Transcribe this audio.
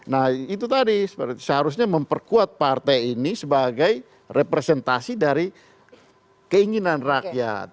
nah itu tadi seharusnya memperkuat partai ini sebagai representasi dari keinginan rakyat